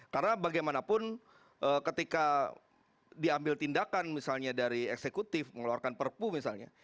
karena bagaimanapun ketika diambil tindakan misalnya dari eksekutif mengeluarkan perpu misalnya